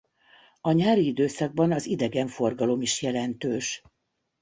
A nyári időszakban az idegenforgalom is jelentős.